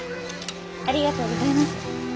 ありがとうございます。